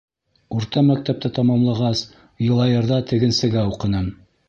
— Урта мәктәпте тамамлағас, Йылайырҙа тегенсегә уҡыным.